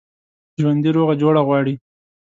ژوندي روغه جوړه غواړي